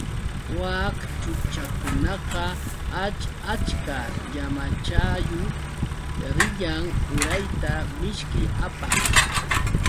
Wak chutchakunaqa ach achka llamachayuq riyan urayta mishki apaq.